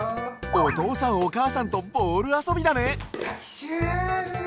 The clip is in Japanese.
おとうさんおかあさんとボールあそびだね！